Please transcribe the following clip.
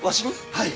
はい。